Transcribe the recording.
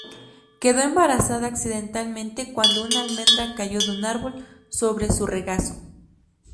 Quedó embarazada accidentalmente cuando una almendra cayó de un árbol sobre su regazo.